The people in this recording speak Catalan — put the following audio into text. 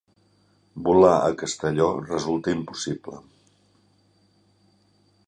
Volar a Castelló resulta impossible